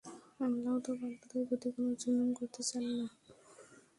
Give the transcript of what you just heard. আল্লাহ তো বান্দাদের প্রতি কোন জুলুম করতে চান না।